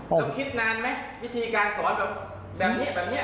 ต้องคิดนานไหมวิธีการสอนแบบนี้แบบนี้